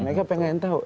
mereka pengen tahu